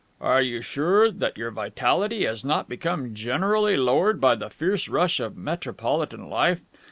Are you sure that your vitality has not become generally lowered by the fierce rush of Metropolitan life?